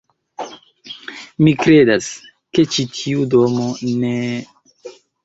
Mi kredas, ke ĉi tiu domo ne...